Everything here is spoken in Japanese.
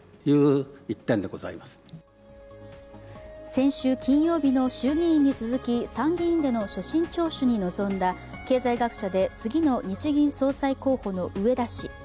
先週金曜日の衆議院に続き、参議院での所信聴取に臨んだ経済学者で次の日銀総裁候補の植田氏。